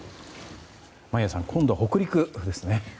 眞家さん今度は北陸ですね。